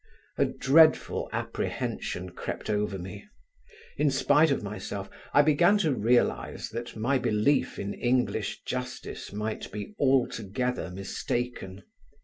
A dreadful apprehension crept over me: in spite of myself I began to realise that my belief in English justice might be altogether mistaken.